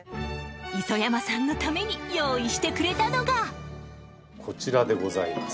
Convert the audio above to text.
磯山さんのために用意してくれたのがこちらでございます。